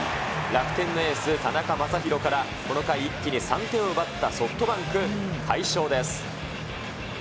楽天のエース、田中将大からこの回一気に３点を奪ったソフトバンク、快勝です。